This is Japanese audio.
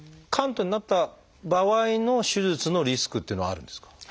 嵌頓になった場合の手術のリスクっていうのはあるんですか？